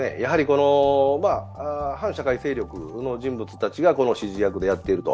反社会勢力の人物たちが指示役でやっていると。